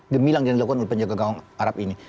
gemilang yang dilakukan oleh penjaga gawang arab ini